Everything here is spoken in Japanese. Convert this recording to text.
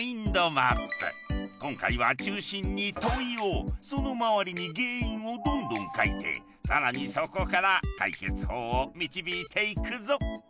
今回は中心に問いをその周りに原因をどんどん書いて更にそこから解決法を導いていくぞ！